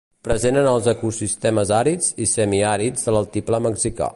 Present en els ecosistemes àrids i semiàrids de l'altiplà mexicà.